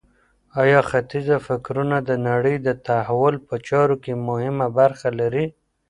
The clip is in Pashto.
آیا ختیځه فکرونه د نړۍ د تحول په چارو کي مهمه برخه لري؟